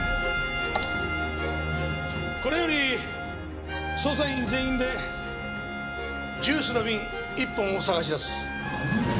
これより捜査員全員でジュースの瓶一本を探し出す。